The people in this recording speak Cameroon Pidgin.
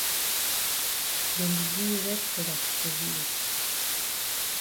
Dem be gi yi red feather for village.